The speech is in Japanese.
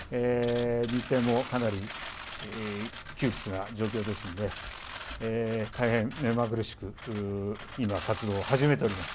日程もかなり窮屈な状況ですんで、大変目まぐるしく、今、活動を始めております。